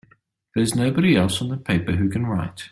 There's nobody else on the paper who can write!